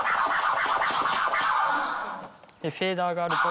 フェーダーがあると。